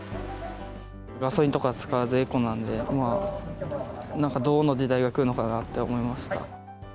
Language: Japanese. ガソリンとか使わずエコなんで、なんかどんな時代が来るのかなと思いました。